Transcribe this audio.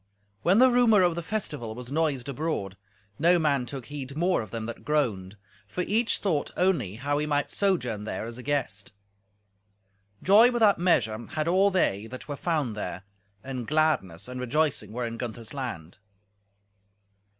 When the rumour of the festival was noised abroad, no man took heed more of them that groaned, for each thought only how he might sojourn there as a guest. Joy without measure had all they that were found there, and gladness and rejoicing were in Gunther's land.